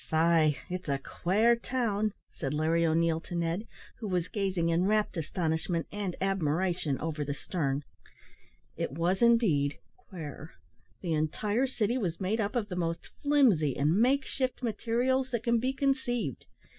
"Faix, it's a quare town," said Larry O'Neil to Ned, who was gazing in wrapt, astonishment and admiration ever the stern. It was indeed "quare." The entire city was made up of the most flimsy and make shift materials that can be conceived.